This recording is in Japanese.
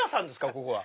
ここは。